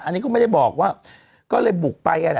อันนี้ก็ไม่ได้บอกว่าก็เลยบุกไปอะไร